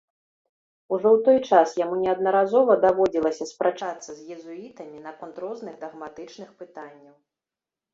Ужо ў той час яму неаднаразова даводзілася спрачацца з езуітамі наконт розных дагматычных пытанняў.